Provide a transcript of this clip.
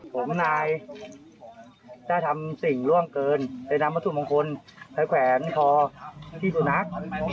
ผมนายได้ทำสิ่งร่วงเกินเลยนำมาสู่มงคลไทยแขวนที่สุนัข